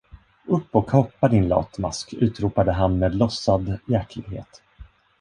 ‘Upp och hoppa, din latmask!’ utropade han med låtsad hjärtlighet.